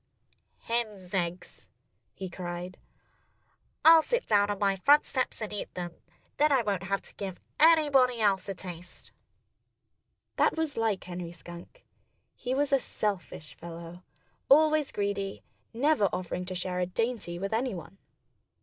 Hens' eggs!" he cried. "I'll sit down on my front steps and eat them. Then I won't have to give anybody else a taste." That was like Henry Skunk. He was a selfish fellow always greedy, never offering to share a dainty with anyone.